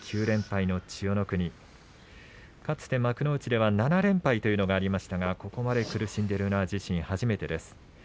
９連敗の千代の国かつて幕内では７連敗というのがありましたがここまで苦しんでいるのは自身初めてです。